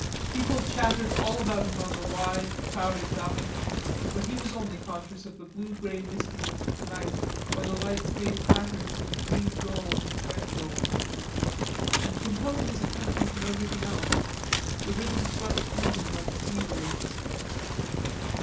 People chattered all about him on the wide, crowded balcony, but he was only conscious of the blue grey mistiness of the night where the lights made patterns in green gold and red gold. And compelling his attention from everything else, the rhythm swept through him like sea waves.